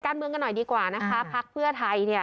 การเมืองกันหน่อยดีกว่านะคะพักเพื่อไทยเนี่ย